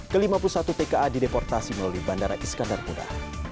ke lima puluh satu tka dideportasi melalui bandara iskandar muda